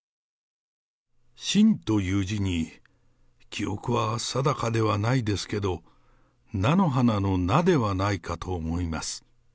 真という字に、記憶は定かではないですけど、菜の花の菜ではないかと思います。